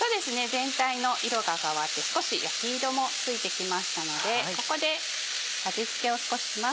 全体の色が変わって少し焼き色もついてきましたのでここで味付けを少しします。